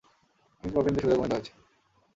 কিন্তু প্রবীণদের সুবিধা কমিয়ে দেওয়া হয়েছে।